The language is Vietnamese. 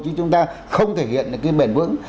chứ chúng ta không thể hiện được cái bền vững